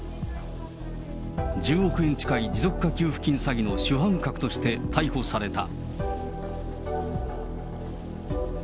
１０億円近い持続化給付金詐欺の主犯格として逮捕された。